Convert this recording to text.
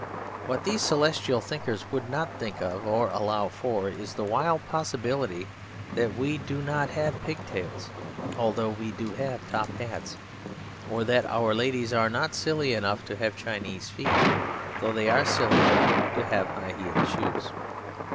What these Celestial thinkers would not think of, or allow for, is the wild possibility that we do not have pig tails although we do have top hats, or that our ladies are not silly enough to have Chinese feet, though they are silly enough to have high heeled shoes.